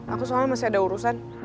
aku soalnya masih ada urusan